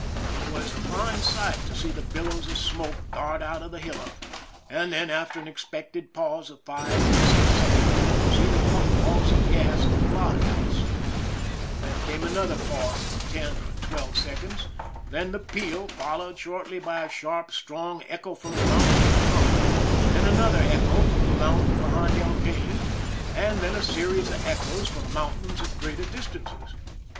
It was a fine sight to see the billows of smoke dart out of the hillock, and then, after an expected pause of five or six seconds, see the puff balls of gas at the block house ; then came another pause of ten or twelve seconds, then the peal, followed shortly by a sharp, strong echo from the mountains behind, then an other echo from the mountain behind El Caney, and then a series of echoes from mountains at greater distances.